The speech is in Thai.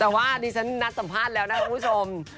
แต่ว่าดิฉันนัดสัมภาษณ์แล้วนะคุณผู้ชม